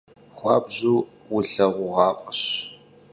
Xuabju vulheğuğuaf'eş.